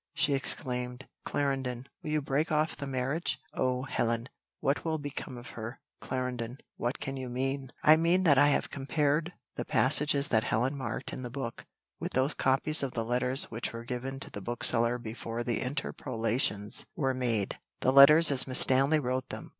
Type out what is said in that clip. She exclaimed, "Clarendon, will you break off the marriage? Oh! Helen, what will become of her! Clarendon, what can you mean?" "I mean that I have compared the passages that Helen marked in the book, with those copies of the letters which were given to the bookseller before the interpolations were made the letters as Miss Stanley wrote them.